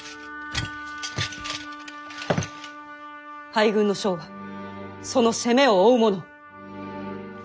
敗軍の将はその責めを負うもの。